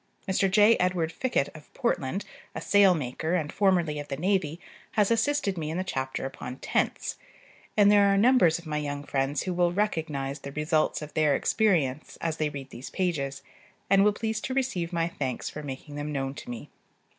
Mr. J. Edward Fickett of Portland, a sailmaker, and formerly of the navy, has assisted in the chapter upon tents; and there are numbers of my young friends who will recognize the results of their experience, as they read these pages, and will please to receive my thanks for making them known to me.